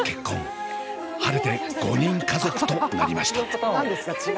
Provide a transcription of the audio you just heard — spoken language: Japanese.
晴れて５人家族となりました。